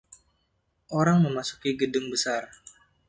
Orang memasuki gedung besar.